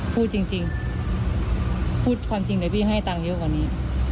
พูดจริงพูดความจริงเดี๋ยวพี่ให้ตังค์เยอะกว่านี้